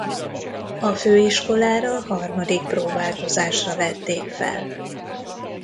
A főiskolára harmadik próbálkozásra vették fel.